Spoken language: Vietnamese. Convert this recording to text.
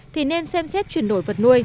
thì nên xem xét chuyển đổi dịch bệnh